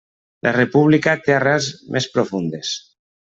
La república té arrels més profundes.